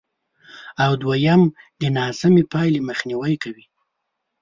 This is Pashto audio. او دوېم د ناسمې پایلې مخنیوی کوي،